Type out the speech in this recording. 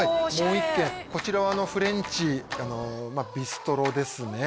もう一軒こちらはフレンチビストロですね